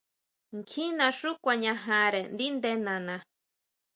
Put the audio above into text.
Kjín naxú kuañajare ndíʼnde nana.